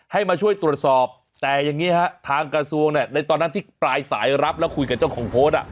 ให้มาช่วยตรวจสอบแต่อย่างนี้ฮะทางกระทรวงเนี่ยในตอนนั้นที่ปลายสายรับแล้วคุยกับเจ้าของโพสต์